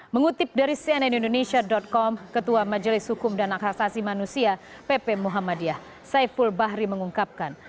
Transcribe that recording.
mengutip dari cnnindonesia com ketua majelis hukum dan hak asasi manusia pp muhammadiyah saiful bahri mengungkapkan